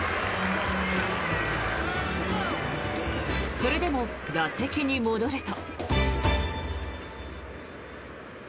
それでも打席に戻ると。